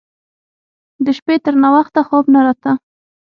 د شپې تر ناوخته خوب نه راته.